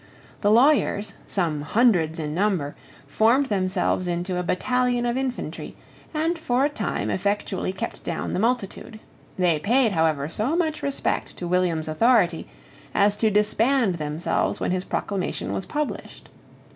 The lawyers, some hundreds in number, formed themselves into a battalion of infantry, and for a time effectually kept down the multitude. They paid, however, so much respect to William's authority as to disband themselves when his proclamation was published.